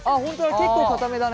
結構かためだね。